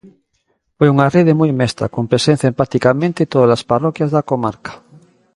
Foi unha rede moi mesta, con presenza en practicamente todas as parroquias da comarca.